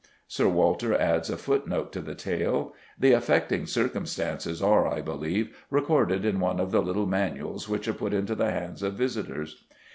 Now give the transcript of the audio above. Sir Walter adds a footnote to the tale: "The affecting circumstances are, I believe, recorded in one of the little manuals which are put into the hands of visitors."